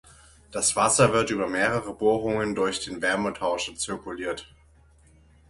Das Wasser wird über mehrere Bohrungen durch den Wärmetauscher zirkuliert.